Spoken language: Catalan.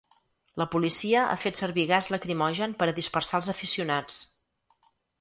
La policia ha fet servir gas lacrimogen per a dispersar els aficionats.